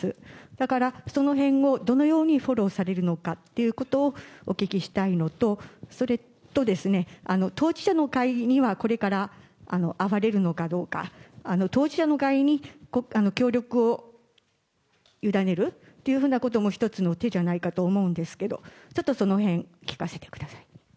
だから、そのへんをどのようにフォローされるのかということを、お聞きしたいのと、それとですね、当事者の会にはこれから会われるのかどうか、当事者の会に協力を委ねるっていうふうなことも、一つの手じゃないかと思うんですけど、ちょっとそのへん、聞かせてください。